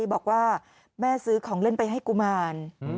บอกว่าแม่ซื้อของเล่นไปให้กุมาร